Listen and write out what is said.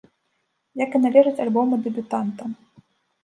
Як і належыць альбому дэбютанта.